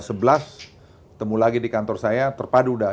ketemu lagi di kantor saya terpadu dah